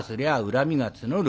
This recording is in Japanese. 恨みが募る。